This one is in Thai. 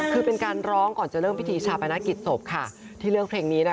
คือเป็นการร้องก่อนจะเริ่มพิธีชาปนกิจศพค่ะที่เลือกเพลงนี้นะคะ